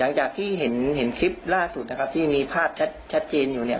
หลังจากที่เห็นคลิปล่าสุดนะครับที่มีภาพชัดเจนอยู่เนี่ย